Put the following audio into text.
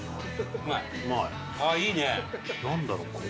うまい。